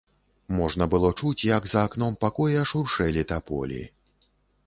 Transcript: Можна было чуць, як за акном пакоя шуршэлі таполі.